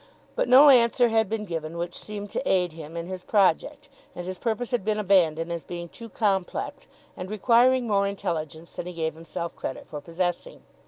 But no answer had been given which seemed to aid him in his project, and his purpose had been abandoned as being too complex and requiring more intelligence than he gave himself credit for possessing.